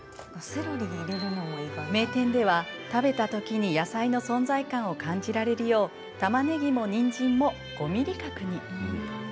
名店では食べたときに野菜の存在感を感じられるようたまねぎもにんじんも５ｍｍ角に。